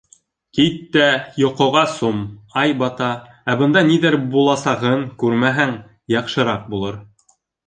Кит тә йоҡоға сум: ай бата, ә бында ниҙәр буласағын күрмәһәң, яҡшыраҡ булыр.